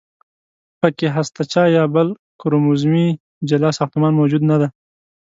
پکې هستچه یا بل کروموزومي جلا ساختمان موجود نه دی.